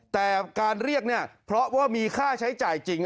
แต่การเรียกเนี่ยเพราะว่ามีค่าใช้จ่ายจริง